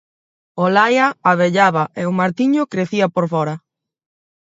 Olaia avellaba e o Martiño crecía por fóra.